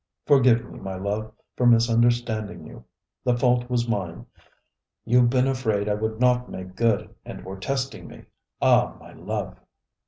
"Forgive me, my love, for misunderstanding you. The fault was mine. You've been afraid I would not make good, and were testing me. Ah, my love."